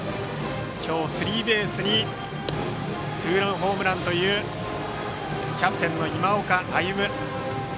今日、スリーベースにツーランホームランというキャプテンの今岡歩夢。